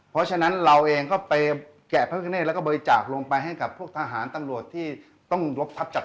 เพราะฉะนั้นเราเองก็ไปแกะพระกะเนธแล้วก็บริจาคลงไปให้กับพวกทหารตำรวจที่ต้องลบทับจาก